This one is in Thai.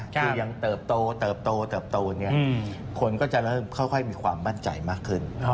ที่ยังเติบโตเติบโตเติบโตคนก็จะเริ่มค่อยมีความมั่นใจมากขึ้น